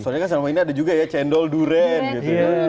soalnya kan selama ini ada juga ya cendol durian gitu ya